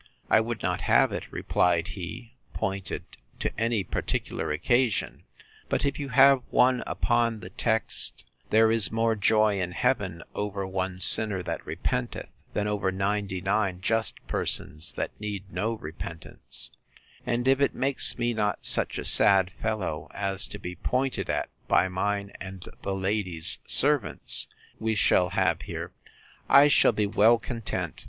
I would not have it, replied he, pointed to any particular occasion; but if you have one upon the text—There is more joy in Heaven over one sinner that repenteth, than over ninety nine just persons that need no repentance; and if it makes me not such a sad fellow as to be pointed at by mine and the ladies' servants we shall have here, I shall be well content.